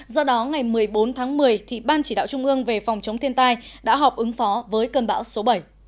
do đó ngày một mươi bốn tháng một mươi ban chỉ đạo trung ương về phòng chống thiên tai đã họp ứng phó với cơn bão số bảy